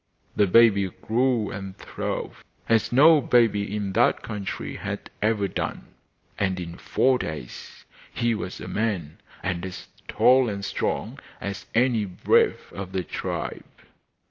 The baby grew and throve as no baby in that country had ever done, and in four days he was a man, and as tall and strong as any brave of the tribe.